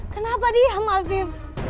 kenapa diam afif